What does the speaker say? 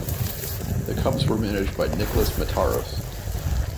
The Cubs were managed by Nicholas Mitaros.